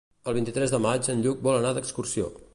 El vint-i-tres de maig en Lluc vol anar d'excursió.